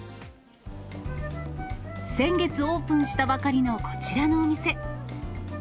先月オープンしたばかりのこちらのお店。